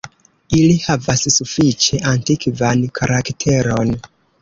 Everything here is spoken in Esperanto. Ili havas sufiĉe antikvan karakteron.